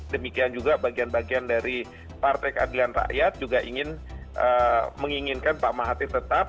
demikian juga bagian bagian dari partai keadilan rakyat juga ingin menginginkan pak mahathir tetap